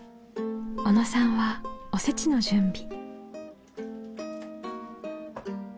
小野さんはおせちの準備。